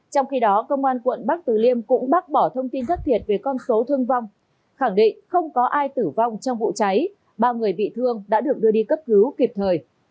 trong khi đó công an quận bắc từ liêm cũng bác bỏ thông tin thất thiệt về con số thương vong khẳng định không có ai tử vong trong vụ cháy ba người bị thương đã được đưa đi cấp cứu kịp thời